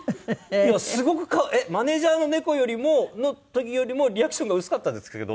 いやすごくマネージャーの猫の時よりもリアクションが薄かったんですけど。